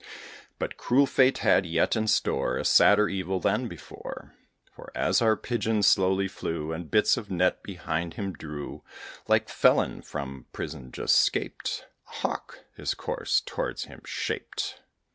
But cruel fate had yet in store A sadder evil than before; For, as our Pigeon slowly flew, And bits of net behind him drew, Like felon, just from prison 'scaped, A hawk his course towards him shaped.